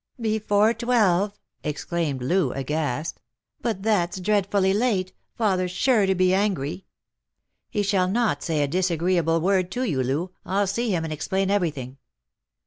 " Before twelve !" exclaimed Loo, aghast. " But that's dreadfully late ; father's sure to be angry." " He shall not say a disagreeable word to you, Loo. I'll see him and explain everything."